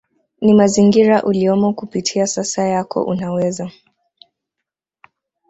ni mazingira uliyomo Kupitia sasa yako unaweza